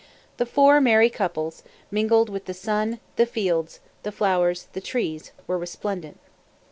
The four merry couples, mingled with the sun, the fields, the flowers, the trees, were resplendent.